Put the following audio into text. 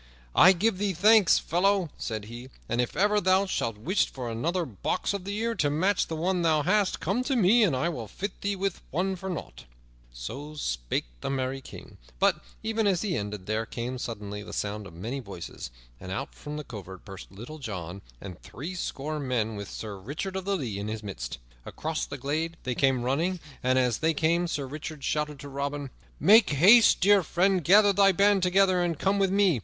"I give thee thanks, fellow," said he, "and if ever thou shouldst wish for another box of the ear to match the one thou hast, come to me and I will fit thee with it for nought." So spake the merry King; but, even as he ended, there came suddenly the sound of many voices, and out from the covert burst Little John and threescore men, with Sir Richard of the Lea in the midst. Across the glade they came running, and, as they came, Sir Richard shouted to Robin: "Make haste, dear friend, gather thy band together and come with me!